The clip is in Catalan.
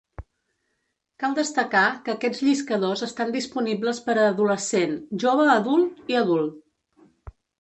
Cal destacar que aquests lliscadors estan disponibles per a adolescent, jove adult i adult.